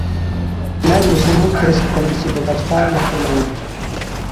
مەن مۇشۇنىڭ كىرېست بەلگىسى بولغاچقا ياقتۇرمايمەن.